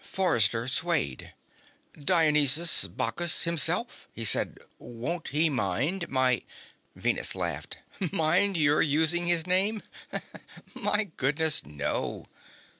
Forrester swayed. "Dionysus/Bacchus himself," he said. "Won't he mind my " Venus laughed. "Mind your using his name? My goodness, no."